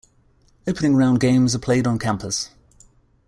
Opening round games are played on campus.